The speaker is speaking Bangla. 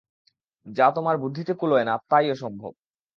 যা তোমার বুদ্ধিতে কুলোয় না তাই অসম্ভব।